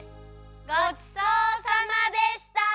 ごちそうさまでした！